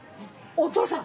お父さん！